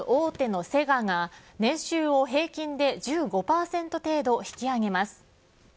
ゲーム大手のセガが年収を平均で１５％程度引き上げます。